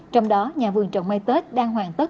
trong đó nhà vườn trồng mai tết đang hoàn tất